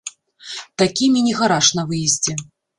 Такі міні-гараж на выездзе.